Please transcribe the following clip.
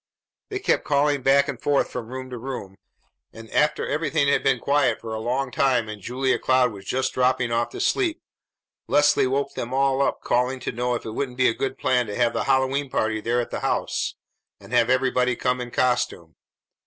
They kept calling back and forth from room to room, and after everything had been quiet for a long time and Julia Cloud was just dropping off to sleep, Leslie woke them all up calling to know if it wouldn't be a good plan to have the Hallowe'en party there at the house and have everybody come in costume.